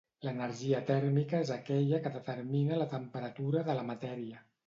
L'energia tèrmica és aquella que determina la temperatura de la matèria.